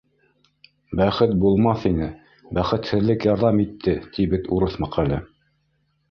Бәхет булмаҫ ине - бәхетһеҙлек ярҙам итте, ти бит урыҫ мәҡәле.